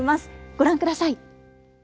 ご覧ください！